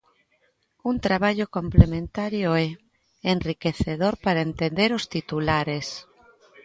Un traballo complementario e "enriquecedor para entender os titulares".